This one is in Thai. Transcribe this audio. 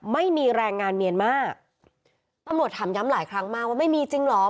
ไม่มีแรงงานเมียนมาตำรวจถามย้ำหลายครั้งมากว่าไม่มีจริงเหรอ